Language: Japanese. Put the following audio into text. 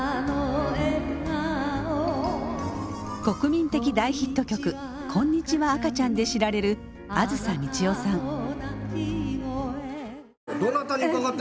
国民的大ヒット曲「こんにちは赤ちゃん」で知られる梓みちよさん。